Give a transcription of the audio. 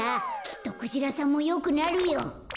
きっとクジラさんもよくなるよ。